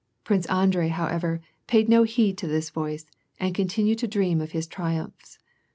Prince Andrei, however, paid no heed to this voice, and con tinued to dream of his triumphs.